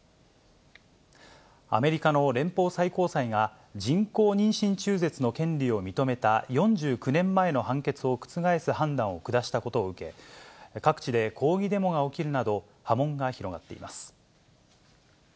アメリカの連邦最高裁が、人工妊娠中絶の権利を認めた４９年前の判決を覆す判断を下したことを受け、え各地で抗議デモが起きるなど、波紋が広がっています。